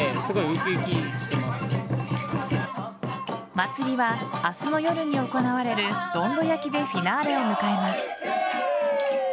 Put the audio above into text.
祭りは明日の夜に行われるどんど焼きでフィナーレを迎えます。